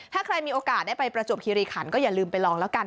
ถ้าใครมีโอกาสได้ไปประจวบคิริขันก็อย่าลืมไปลองแล้วกัน